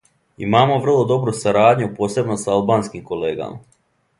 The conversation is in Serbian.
Имамо врло добру сарадњу, посебно са албанским колегама.